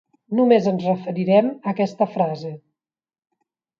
Només ens referirem a aquesta frase.